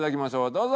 どうぞ！